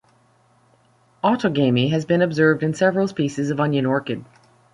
Autogamy has been observed in several species of onion orchid.